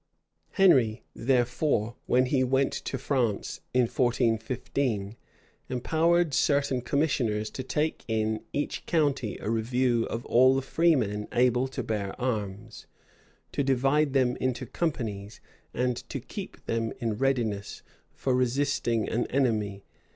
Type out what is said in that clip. Henry, therefore, when he went to France, in 1415, empowered certain commissioners to take in each county a review of all the freemen able to bear arms, to divide them into companies, and to keep them in readiness for resisting an enemy.